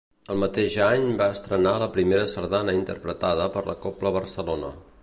El mateix any va estrenar la primera sardana interpretada per la Cobla Barcelona.